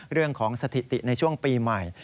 เรื่องของสถิติในช่วงปีใหม่